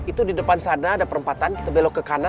itu di depan sana ada perempatan kita belok ke kanan